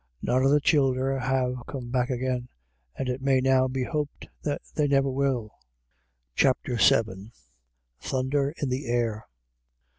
None of the childer have come back again, and it may now be hoped that they never will. CHAPTER VIL THUNDER IN THE AIR.